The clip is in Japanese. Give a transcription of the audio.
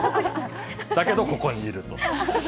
だけど、ここにいると。